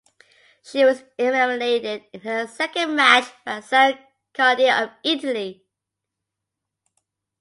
She was eliminated in her second match by Sara Cardin of Italy.